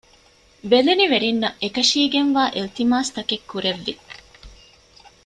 ބެލެނިވެރިންނަށް އެކަށީގެންވާ އިލްތިމާސްތަކެއް ކުރެއްވި